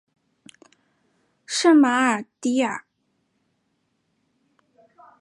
圣马尔蒂阿。